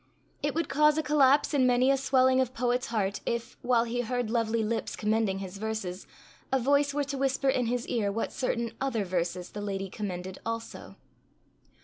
It would cause a collapse in many a swelling of poet's heart if, while he heard lovely lips commending his verses, a voice were to whisper in his ear what certain other verses the lady commended also.